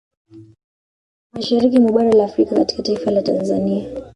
Mashariki mwa bara la Afrika katika taifa la Tanzania